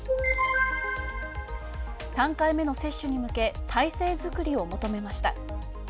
３回目の接種に向け体制作りを求めました。